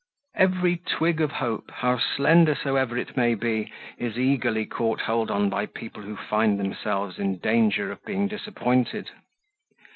Every twig of hope, how slender soever it may be, is eagerly caught hold on by people who find themselves in danger of being disappointed.